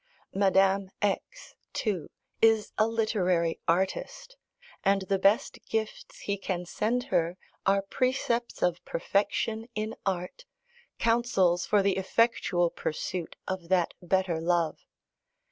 Madame X., too, is a literary artist, and the best gifts he can send her are precepts of perfection in art, counsels for the effectual pursuit of that better love.